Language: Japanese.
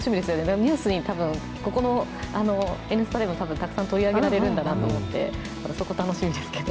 ニュースに、ここの「Ｎスタ」でもたくさん取り上げられるんだなと思って、そこ、楽しみですけど。